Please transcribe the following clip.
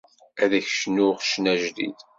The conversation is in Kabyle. Ad ak-cnuɣ ccna ajdid.